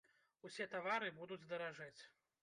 Усе тавары будуць даражэць.